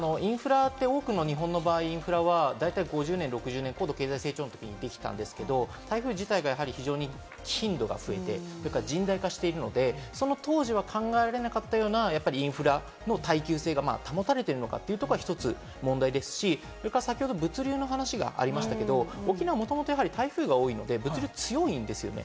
そうですね、インフラって多くの場合、日本は５０年、６０年、高度経済成長期にできたんですけれども、台風自体が頻度が増えて甚大化しているので、その当時は考えられなかったようなインフラの耐久性が保たれているのか？というところが１つ問題ですし、物流の話が先ほどありましたけれども、沖縄はもともと台風が多いので物流、強いんですよね。